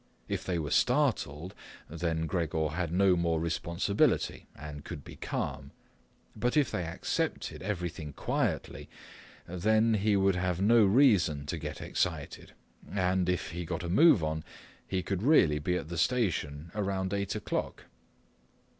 If they were startled, then Gregor had no more responsibility and could be calm. But if they accepted everything quietly, then he would have no reason to get excited and, if he got a move on, could really be at the station around eight o'clock.